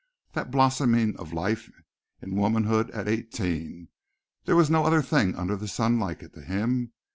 That blossoming of life in womanhood at eighteen! there was no other thing under the sun like it to him.